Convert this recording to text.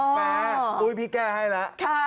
แต่อุ๊ยพี่แก่ให้นะ